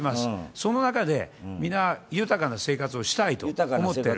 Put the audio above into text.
その中で、皆、豊かな生活をしたいと思っている。